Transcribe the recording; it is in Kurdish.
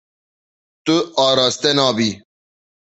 Tu araste nabî.